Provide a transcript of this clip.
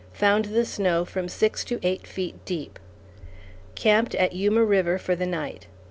Found the snow from six to eight feet deep; camped at Yuma River for the night.